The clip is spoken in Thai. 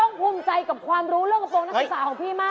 ต้องภูมิใจกับความรู้เรื่องกระโปรงหนังสาหกของพี่มาก